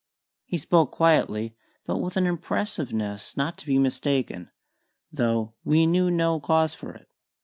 He spoke quietly, but with an impressiveness not to be mistaken, though we knew no cause for it.